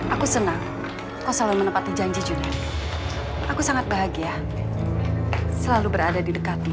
aku senang kau selalu menepati janji juni aku sangat bahagia selalu berada di dekati